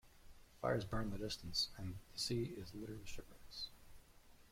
Fires burn in the distance, and the sea is littered with shipwrecks.